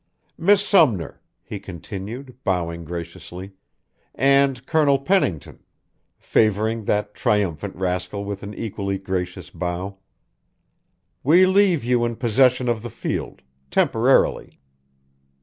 Miss Sumner," he continued, bowing graciously, "and Colonel Pennington," favouring that triumphant rascal with an equally gracious bow, "we leave you in possession of the field temporarily.